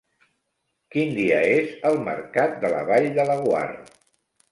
Quin dia és el mercat de la Vall de Laguar?